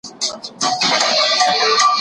کرکه زموږ د جینونو برخه ده.